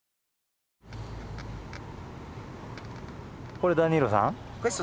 これダニーロさん？